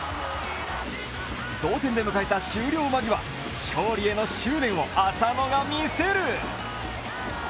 同点で迎えた終了間際勝利への執念を浅野が見せる！